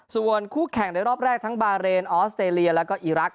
ส่วนคู่แข่งในรอบแรกทั้งบาเรนออสเตรเลียแล้วก็อีรักษ